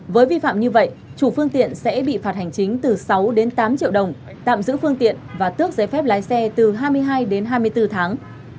với vi phạm như vậy chủ phương tiện sẽ bị phạt hành chính từ sáu đến tám triệu đồng tạm giữ phương tiện và tước giấy phép lái xe từ hai mươi hai đến hai mươi bốn tháng